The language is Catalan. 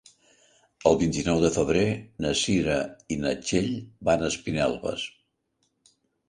El vint-i-nou de febrer na Cira i na Txell van a Espinelves.